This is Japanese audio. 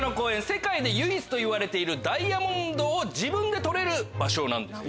世界で唯一といわれているダイヤモンドを自分で採れる場所なんですよね。